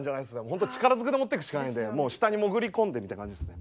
ほんとに力ずくで持ってくしかないんで下に潜り込んでみたいな感じですね。